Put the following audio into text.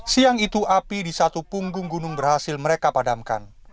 siang itu api di satu punggung gunung berhasil mereka padamkan